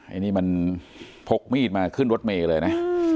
อันนี้มันพกมีดมาขึ้นรถเมย์เลยนะ